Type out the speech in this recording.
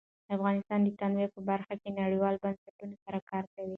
افغانستان د تنوع په برخه کې نړیوالو بنسټونو سره کار کوي.